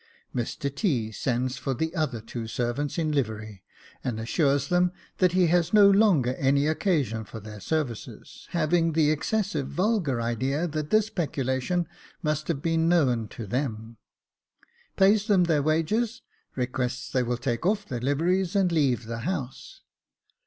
Mr T. sends for the other two servants in livery, and assures them that he has no longer any occasion for their services, having the excessive vulgar idea that this peculation must have been known to them. Pays them their wages, requests they will take off their liveries, and leave the house.